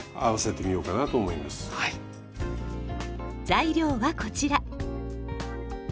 材料はこちら。